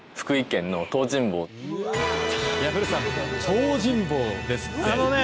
東尋坊ですって。